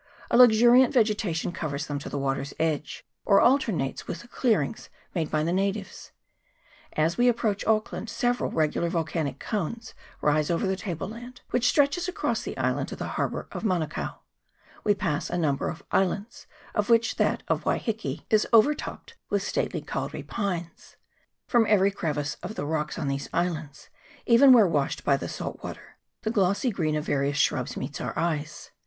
A luxuriant vege tation covers them to the water's edge, or alternates with the clearings made by the natives. As we approach Auckland several regular volcanic cones rise over the table land which stretches across the island to the harbour of Manukao. We pass a number of islands, of which that of Waiheke is 1 Anas superciliosa. 2 Porphyrio australis. CHAP. XX.] WAITEMATA HARBOUR. 277 overtopped with stately kauri pines : from every crevice of the rocks on these islands, even where washed by the salt water, the glossy green of various shrubs meets our eyes.